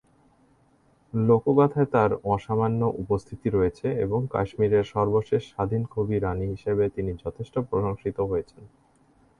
লোকগাঁথায় তাঁর অসামান্য উপস্থিতি রয়েছে এবং কাশ্মীরের সর্বশেষ স্বাধীন কবি রাণী হিসেবে তিনি যথেষ্ট প্রশংসিত হয়েছেন।